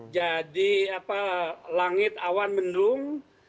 jadi langit awan mendung